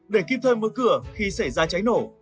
để kiếm thêm một cửa khi xảy ra cháy nổ